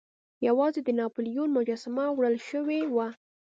یوازې د ناپلیون مجسمه وړل شوې وه.